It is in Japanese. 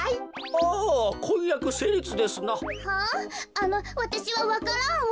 あのわたしはわか蘭を。